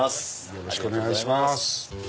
よろしくお願いします。